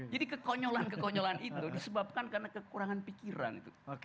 jadi kekonyolan kekonyolan itu disebabkan karena kekurangan pikiran itu